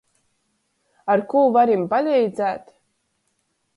Ar kū varim paleidzēt?